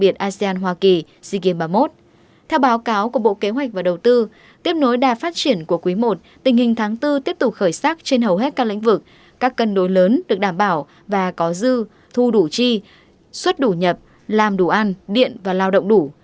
theo báo cáo của bộ kế hoạch và đầu tư tiếp nối đà phát triển của quý i tình hình tháng bốn tiếp tục khởi sắc trên hầu hết các lĩnh vực các cân đối lớn được đảm bảo và có dư thu đủ chi xuất đủ nhập làm đủ ăn điện và lao động đủ